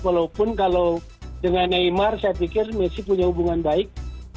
walaupun kalau dengan neymar saya pikir messi punya hubungan baik